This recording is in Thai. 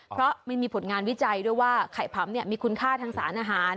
เพราะมันมีผลงานวิจัยด้วยว่าไข่ผำมีคุณค่าทางสารอาหาร